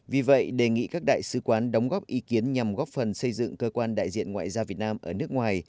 vì vậy đề nghị các đại sứ quán đóng góp ý kiến nhằm góp phần xây dựng cơ quan đại diện ngoại giao việt nam ở nước ngoài